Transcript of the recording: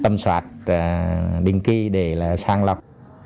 tâm soát định kỳ để là sáng lập